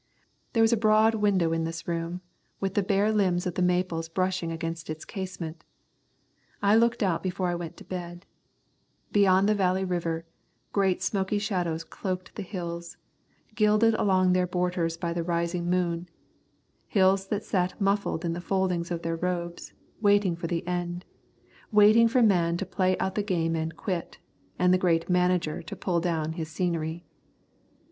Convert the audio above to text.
There was a broad window in this room, with the bare limbs of the maples brushing against its casement. I looked out before I went to bed. Beyond the Valley River, great smoky shadows cloaked the hills, gilded along their borders by the rising moon; hills that sat muffled in the foldings of their robes, waiting for the end, waiting for man to play out the game and quit, and the Great Manager to pull down his scenery.